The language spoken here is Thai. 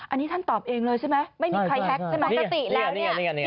อันนี้ท่านตอบเองเลยใช่ไหมไม่มีใครแท็กใช่ไหม